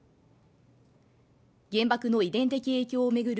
原爆の遺伝的影響を巡る